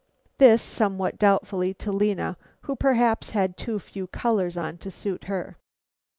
This, somewhat doubtfully, to Lena, who perhaps had too few colors on to suit her.